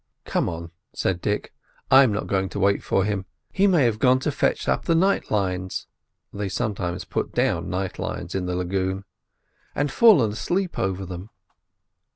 "Come on," said Dick; "I'm not going to wait for him. He may have gone to fetch up the night lines"—they sometimes put down night lines in the lagoon—"and fallen asleep over them."